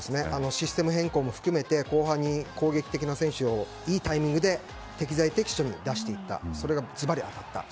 システム変更も含めて後半に攻撃的な選手をいいタイミングで適材適所に出していった。